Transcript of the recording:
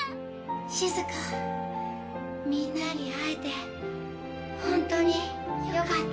しずか、みんなに会えて本当によかった。